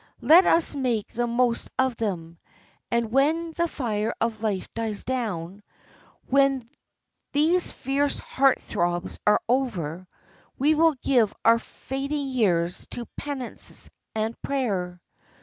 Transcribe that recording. Let us make the most of them; and when the fire of life dies down, when these fierce heart throbs are over, we will give our fading years to penitence and prayer."